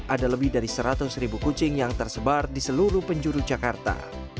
ada lebih dari seratus ribu kucing yang tersebar di seluruh penjuru jakarta